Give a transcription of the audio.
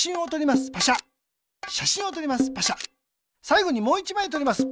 さいごにもう１まいとります。